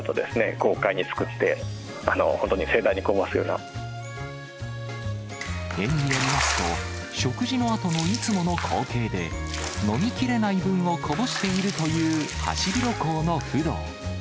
豪快にすくって、本当に盛大にこ園によりますと、食事のあとのいつもの光景で、飲みきれない分をこぼしているというハシビロコウのフドウ。